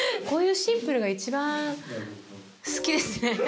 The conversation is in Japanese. こういうシンプルなのが一番好きですね。